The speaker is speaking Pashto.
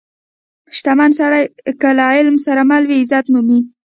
• شتمن سړی که له علم سره مل وي، عزت مومي.